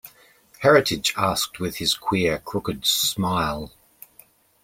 Heritage asked with his queer crooked smile.